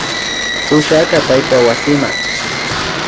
Pusharka paypa wasima